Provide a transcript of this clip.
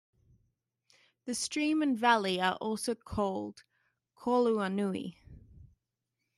The stream and valley are also called Kaluanui.